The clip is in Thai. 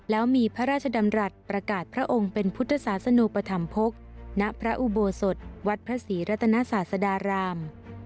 แล้วมีพระราชดำรัฐประกาศพระองค์เป็นพุทธศาสนุปธรรมภกณพระอุโบสถวัดพระศรีรัตนศาสดาราม